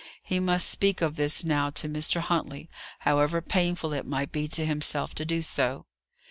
He must speak of this now to Mr. Huntley, however painful it might be to himself to do so.